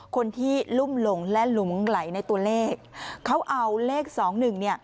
คนที่ลุ่มหลงและหลุมไหลในตัวเลขเขาเอาเลขสองหนึ่งเนี่ย